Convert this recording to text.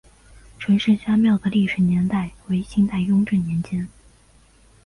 陈氏家庙的历史年代为清代雍正年间。